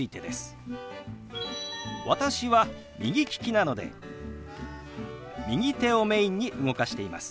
私は右利きなので右手をメインに動かしています。